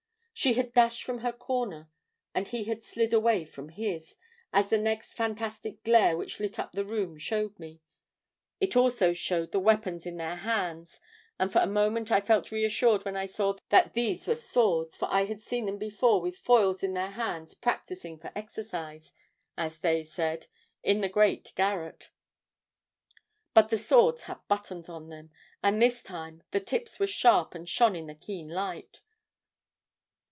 "She had dashed from her corner and he had slid away from his, as the next fantastic glare which lit up the room showed me. It also showed the weapons in their hands, and for a moment I felt reassured when I saw that these were swords, for I had seen them before with foils in their hands practising for exercise, as they said, in the great garret. But the swords had buttons on them, and this time the tips were sharp and shone in the keen light.